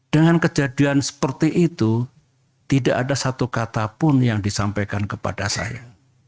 dengan kejadian seperti itu tidak ada satu kata pun yang disampaikan kepada saya